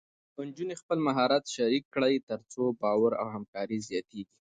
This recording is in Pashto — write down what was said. نجونې خپل مهارت شریک کړي، تر څو باور او همکاري زیاتېږي.